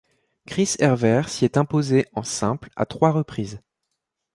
Chris Evert s'y est imposée en simple à trois reprises.